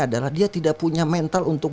adalah dia tidak punya mental untuk